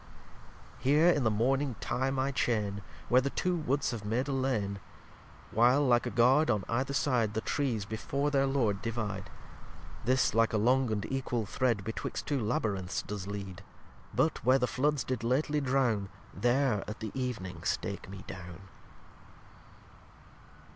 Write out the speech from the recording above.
lxxviii Here in the Morning tye my Chain, Where the two Woods have made a Lane; While, like a Guard on either side, The Trees before their Lord divide; This, like a long and equal Thread, Betwixt two Labyrinths does lead. But, where the Floods did lately drown, There at the Ev'ning stake me down.